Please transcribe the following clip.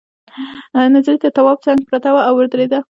نجلۍ تر تواب څنگ پرته وه او ودرېده.